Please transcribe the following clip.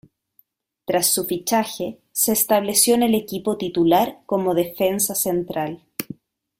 Tras su fichaje, se estableció en el equipo titular como defensa central.